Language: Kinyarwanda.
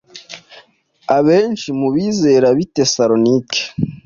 Abenshi mu bizera b’i Tesalonike “